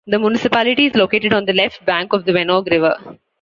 The municipality is located on the left bank of the Venoge river.